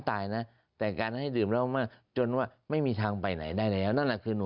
อ่าทีนี้คำถามคือ